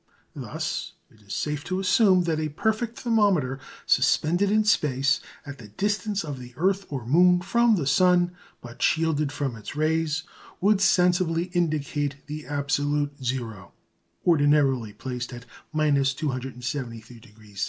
Thus, it is safe to assume "that a perfect thermometer suspended in space at the distance of the earth or moon from the sun, but shielded from its rays, would sensibly indicate the absolute zero," ordinarily placed at 273° C.